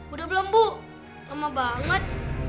udah belum bu lemah banget